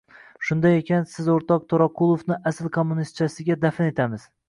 Shunday ekan, biz o‘rtoq To‘raqulovni asl kommunistchasiga dafn etamiz.